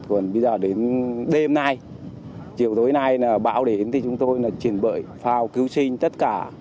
còn bây giờ đến đêm nay chiều tối nay là bão để đến thì chúng tôi là chuyển bưởi phao cứu sinh tất cả